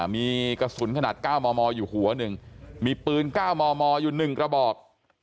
มีกระสุนขนาด๙มมอยู่หัวหนึ่งมีปืน๙มมอยู่๑กระบอก